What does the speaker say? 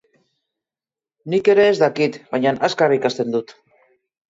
Nik ere ez dakit, baina azkar ikasten dut.